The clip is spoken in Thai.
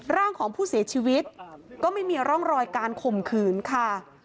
ร่างของผู้เสียชีวิตก็ไม่มีร่องรอยการข่มขืนค่ะ